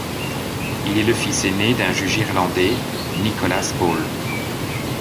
Il est le fils aîné d’un juge irlandais, Nicholas Ball.